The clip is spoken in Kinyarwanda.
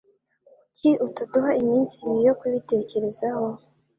Kuki utaduha iminsi ibiri yo kubitekerezaho?